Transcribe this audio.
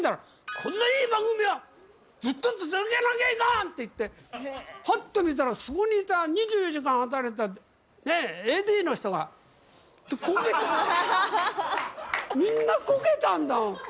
こんなにいい番組はずっと続けなきゃいかんって言って、はっと見たら、そこにいた２４時間働いたＡＤの人が、みんなこけたんだ。